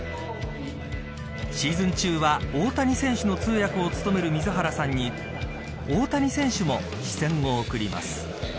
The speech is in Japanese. シーズン中は大谷選手の通訳を務める水原さんに大谷選手も視線を送ります。